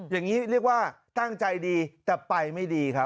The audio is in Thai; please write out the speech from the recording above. อย่างนี้เรียกว่าตั้งใจดีแต่ไปไม่ดีครับ